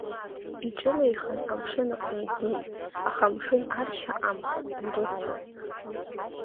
Иҿылеихан амшын аҟны днеит, аха амшын аршьа амам, дызлацои?